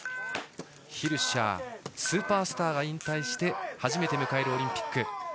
ヒルシャーというスーパースターが引退して初めて迎えるオリンピック。